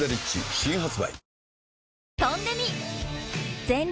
新発売